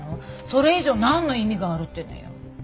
それ以上なんの意味があるっていうのよ。